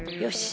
よし。